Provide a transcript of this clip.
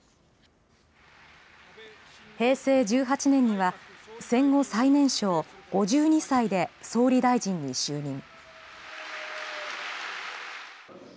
平成１８年には戦後最年少、５２歳で総理大臣に就任。